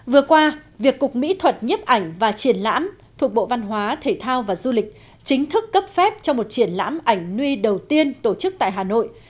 vừa qua việc cục mỹ thuật nhếp ảnh và triển lãm thuộc bộ văn hóa thể thao và du lịch chính thức cấp phép cho một triển lãm ảnh nuôi đầu tiên tổ chức tại hà nội